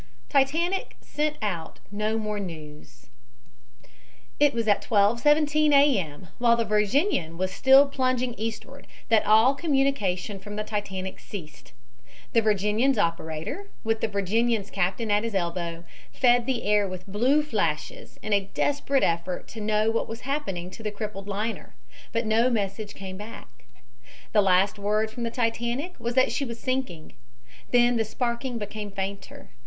TITANIC SENT OUT NO MORE NEWS It was at 12.17 A. M., while the Virginian was still plunging eastward, that all communication from the Titanic ceased. The Virginian's operator, with the Virginian's captain at his elbow, fed the air with blue flashes in a desperate effort to know what was happening to the crippled liner, but no message came back. The last word from the Titanic was that she was sinking. Then the sparking became fainter.